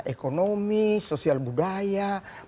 ekonomi sosial budaya pertanian